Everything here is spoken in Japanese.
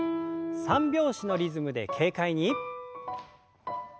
三拍子のリズムで軽快に。